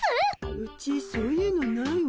うちそういうのないわ。